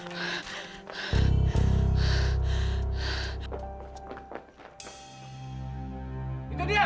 tidak ada dia